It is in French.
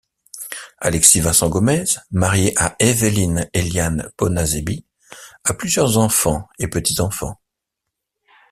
Alexis Vincent Gomès, marié à Évélyne Éliane Bonazebi a plusieurs enfants et petits enfants.